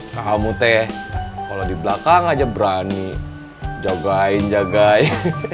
kamu teh kalau di belakang aja berani jagain jagain